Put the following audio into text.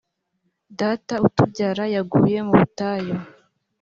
data utubyara yaguye mu butayu.